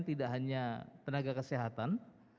tidak hanya tenaga kesehatan